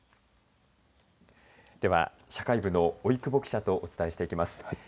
では社会部の老久保記者とお伝えしていきます。